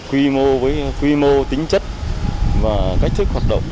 quy mô với quy mô tính chất và cách thức hoạt động